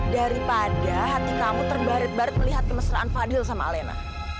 daripada hati kamu terbaret barat melihat kemesraan fadil sama alena